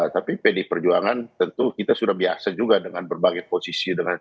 tapi pdi perjuangan tentu kita sudah biasa juga dengan berbagai posisi